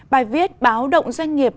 bài viết báo động doanh nghiệp